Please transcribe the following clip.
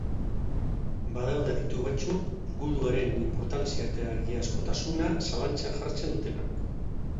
Badaude aditu batzuk guduaren inportantzia eta egiazkotasuna zalantzan jartzen dutenak.